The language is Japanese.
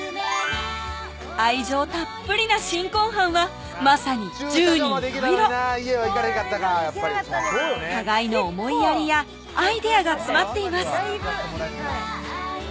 愛情たっぷりな新婚飯はまさに十人十色互いの思いやりやアイデアが詰まっています